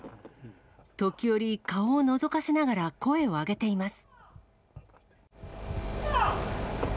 時折、顔をのぞかせながら声を上げています。